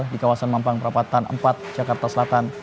di kawasan mampang perapatan empat jakarta selatan